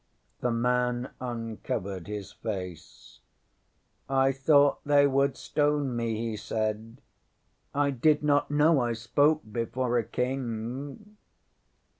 ŌĆØ ŌĆśThe man uncovered his face. ŌĆ£I thought they would stone me, ŌĆØ he said. ŌĆ£I did not know I spoke before a King.